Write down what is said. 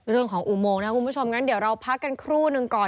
เรื่องของอุโมงนะคุณผู้ชมงั้นเดี๋ยวเราพักกันครู่หนึ่งก่อน